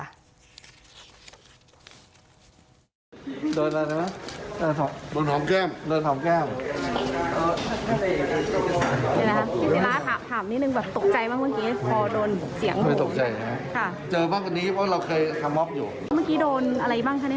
เรื่องของการแห่งินทุนแห่งขึ้นจากทางสู่เผาและระดับเกิดขึ้น